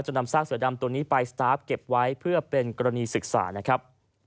นำซากเสือดำตัวนี้ไปสตาร์ฟเก็บไว้เพื่อเป็นกรณีศึกษานะครับ